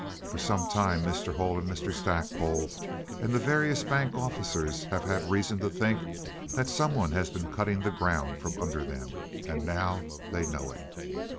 For some time Mr. Hull and Mr. Stackpole and the various bank officers have had reason to think that some one has been cutting the ground from under them, and now they know it.